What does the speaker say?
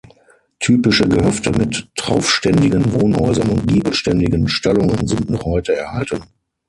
Typische Gehöfte mit traufständigen Wohnhäusern und giebelständigen Stallungen sind noch heute erhalten.